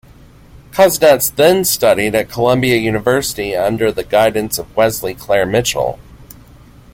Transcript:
Kuznets then studied at Columbia University under the guidance of Wesley Clair Mitchell.